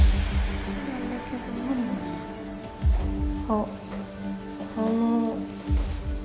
あっあの。